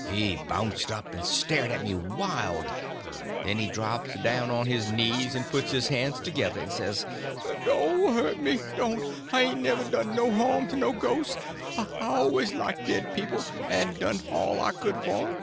He bounced up and stared at me wild. Then he drops down on his knees, and puts his hands together and says: "Doan' hurt me—don't! I hain't ever done no harm to a ghos'. I alwuz liked dead people, en done all I could for 'em.